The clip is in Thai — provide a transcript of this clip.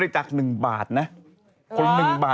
จากธนาคารกรุงเทพฯ